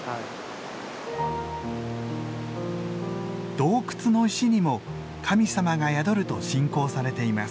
洞窟の石にも神様が宿ると信仰されています。